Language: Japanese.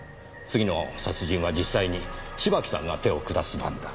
次の殺人は実際に芝木さんが手を下す番だ。